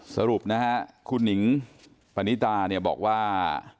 สรุปนะครับคุณนิ่งปณิตาบอกว่า